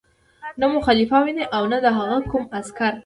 نه مو خلیفه ویني او نه د هغه کوم عسکر.